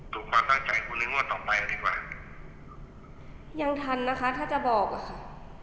ความตั้งใจคุณในงวดต่อไปดีกว่ายังทันนะคะถ้าจะบอกอ่ะค่ะ